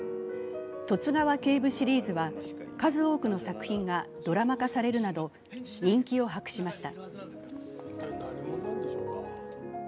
十津川警部シリーズは、数多くの作品がドラマ化されるなど人気を博しました。